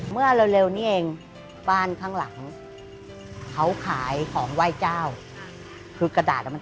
เมื่อเร็วนี่เองบ้านข้างหลังเขาขายของไหว้เจ้า